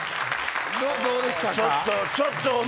どうでしたか？